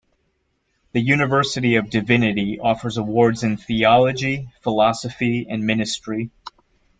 The University of Divinity offers awards in theology, philosophy and ministry.